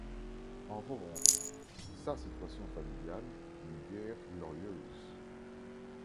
En revanche, sa situation familiale n'est guère glorieuse.